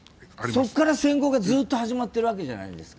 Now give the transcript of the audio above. そこから戦後がずっと始まっているわけじゃないですか。